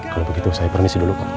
kalau begitu saya permisi dulu pak